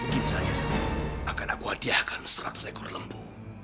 gini saja akan aku hadiahkan seratus ekor lembu